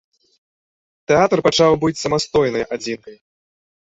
Тэатр пачаў быць самастойнай адзінкай.